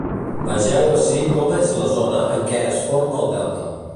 Vegeu ací com és la zona en què es forma el delta.